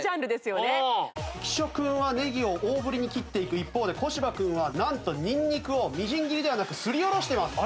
浮所君はネギを大ぶりに切っていく一方で小柴君はなんとニンニクをみじん切りではなくすりおろしてます。